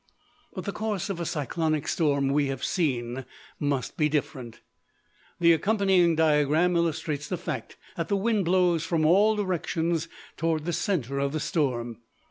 But the course of a cyclonic storm, we have seen, must be different. The accompanying diagram illustrates the fact that the wind blows from all directions toward the center of the storm.